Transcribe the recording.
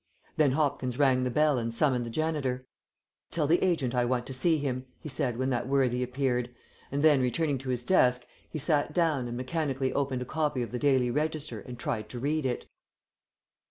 Then Hopkins rang the bell and summoned the janitor. "Tell the agent I want to see him," he said when that worthy appeared, and then, returning to his desk, he sat down and mechanically opened a copy of the Daily Register and tried to read it.